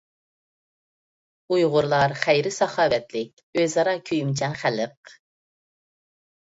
ئۇيغۇرلار خەير-ساخاۋەتلىك، ئۆزئارا كۆيۈمچان خەلق.